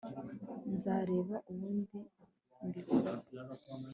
nzareba ukundi mbikora